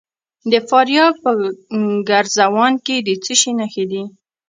د فاریاب په ګرزوان کې د څه شي نښې دي؟